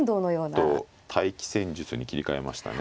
ちょっと待機戦術に切り替えましたね。